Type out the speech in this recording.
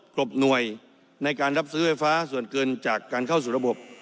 กรบหน่วยในการรับซื้อไฟฟ้าส่วนเกินจากการเข้าสู่ระบบ